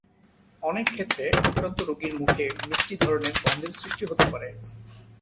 অনেক ক্ষেত্রে আক্রান্ত রোগীর মুখে মিষ্টি ধরনের গন্ধের সৃষ্টি হতে পারে।